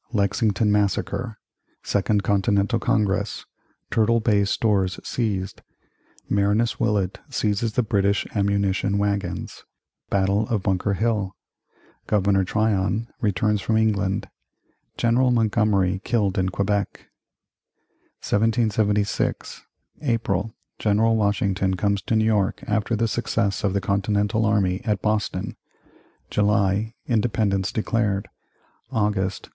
Lexington massacre Second Continental Congress Turtle Bay stores seized Marinus Willett seizes the British ammunition wagons Battle of Bunker Hill Governor Tryon returns from England General Montgomery killed at Quebec 1776. April. General Washington comes to New York after the success of the Continental army at Boston July. Independence declared August.